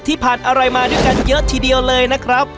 ผ่านอะไรมาด้วยกันเยอะทีเดียวเลยนะครับ